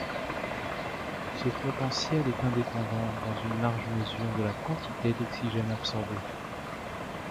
Ce potentiel est indépendant dans une large mesure de la quantité d'oxygène absorbé.